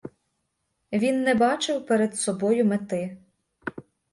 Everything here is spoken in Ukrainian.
Він не бачив перед собою мети.